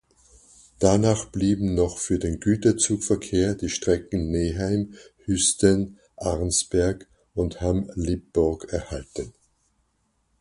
Danach blieben noch für den Güterzugverkehr die Strecken Neheim-Hüsten–Arnsberg und Hamm–Lippborg erhalten.